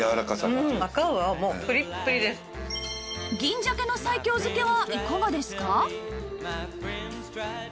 銀鮭の西京漬けはいかがですか？